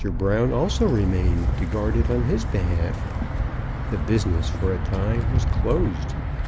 Brown also remained to guard it on his behalf. The business for a time was closed.